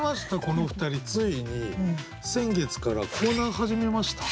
この２人ついに先月からコーナー始めました。